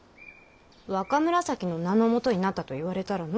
若紫の名のもとになったと言われたらの。